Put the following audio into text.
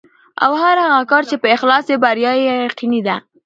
او هر هغه کار چې په اخلاص وي، بریا یې یقیني ده.